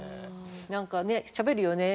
何かねしゃべるよね。